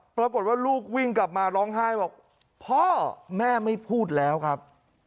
ปรากฏว่าลูกวิ่งกลับมาร้องไห้บอกพ่อแม่ไม่พูดแล้วครับ